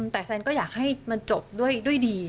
แต่แซนก็อยากให้มันจบด้วยดี